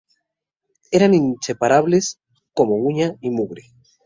Eran inseparables, como uña y carne